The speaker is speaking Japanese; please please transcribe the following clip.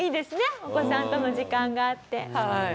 お子さんとの時間があって。